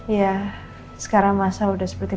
iya sekarang masa sudah seperti